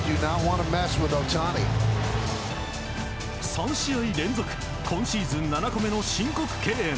３試合連続今シーズン７個目の申告敬遠。